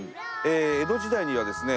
江戸時代にはですね